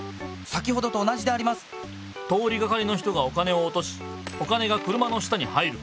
通りがかりの人がお金をおとしお金が車の下に入る。